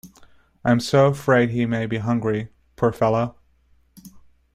I'm so afraid he may be hungry, poor fellow.